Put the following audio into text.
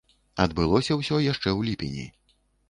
Адбылося ўсё яшчэ ў ліпені.